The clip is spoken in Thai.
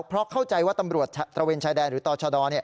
เพราะเข้าใจว่าตำรวจตระเวนชายแดนหรือต่อชด